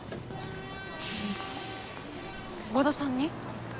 和田さんに？